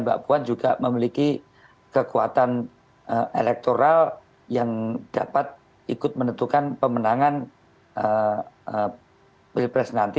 mbak puan juga memiliki kekuatan elektoral yang dapat ikut menentukan pemenangan pilpres nanti